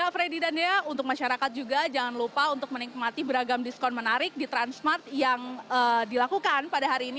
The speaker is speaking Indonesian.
freddy dan dea untuk masyarakat juga jangan lupa untuk menikmati beragam diskon menarik di transmart yang dilakukan pada hari ini